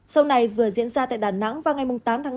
sau này vừa diễn ra tại đà nẵng vào ngày tám tháng năm